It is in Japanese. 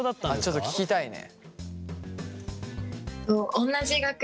ちょっと聞きたいね。